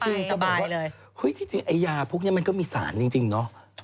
จะบอกว่าเฮ้ยที่จริงไอ้ยาพวกนี้มันก็มีสารจริงเนาะ